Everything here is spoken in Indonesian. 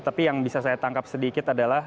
tapi yang bisa saya tangkap sedikit adalah